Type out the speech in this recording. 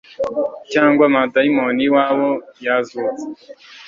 cyangwa amadayimoni yiwabo yazutse